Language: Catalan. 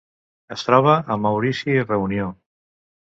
Es troba a Maurici i Reunió.